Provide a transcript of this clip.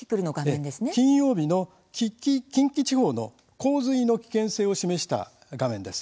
金曜日の近畿地方の洪水の危険性を示した画面です。